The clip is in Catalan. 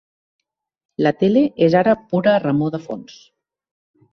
La tele és ara pura remor de fons.